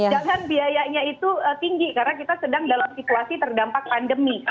jangan biayanya itu tinggi karena kita sedang dalam situasi terdampak pandemi